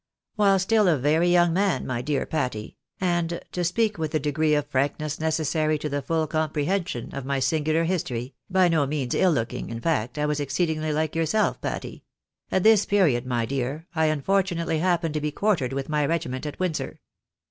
While still a very young man, my dear Pattyl and, to speak with the degree of frankness necessary to the ful, comprehension of my singular history, by no means ill looking, in fact, I was exceedingly like yourself, Patty ; at this period, my 10 THE BAENABYS IN AMERICA. dear, I unfortunately happened to be quartered with my regiment at M^ndsor.